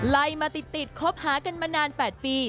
ไล่มาติดคบหากันมานาน๘ปี